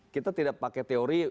kita tidak pakai teori